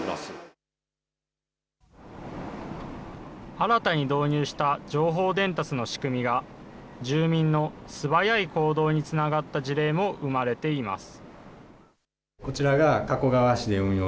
新たに導入した情報伝達の仕組みが、住民の素早い行動につながった事例も生まれています。